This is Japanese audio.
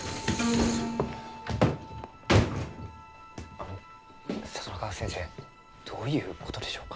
あの里中先生どういうことでしょうか？